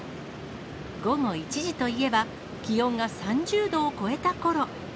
午後１時といえば、気温が３０度を超えたころ。